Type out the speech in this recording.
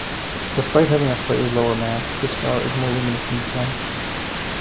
Despite having a slightly lower mass, this star is more luminous than the Sun.